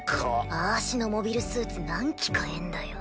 あしのモビルスーツ何機買えんだよ。